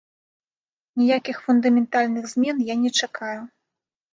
Ніякіх фундаментальных змен я не чакаю.